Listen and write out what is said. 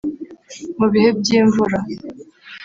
Mu bihe by’imvura